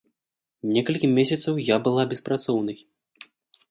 Некалькі месяцаў я была беспрацоўнай.